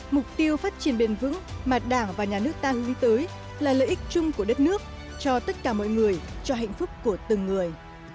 mục tiêu phát triển bền vững mà đảng và nhà nước ta lưu ý tới là lợi ích chung của đất nước cho tất cả mọi người cho hạnh phúc của từng người